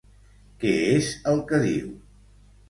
Què és el que diu?